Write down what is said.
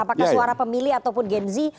apakah suara pemilih ataupun genzi